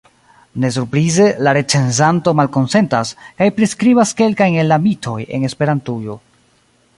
Ne surprize, la recenzanto malkonsentas, kaj priskribas kelkajn el la mitoj en Esperantujo.